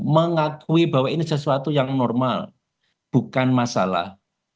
mengakui bahwa ini sesuatu yang normal bukan masalah